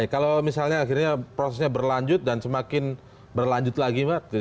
kalau misalnya akhirnya prosesnya berlanjut dan semakin berlanjut lagi mbak